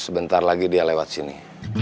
sebentar lagi dia lewat sini